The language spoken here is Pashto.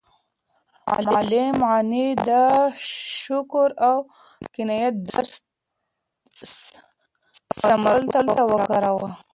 معلم غني د شکر او قناعت درس ثمرګل ته ورکاوه.